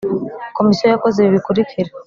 Komisiyo yakoze ibi bikurikira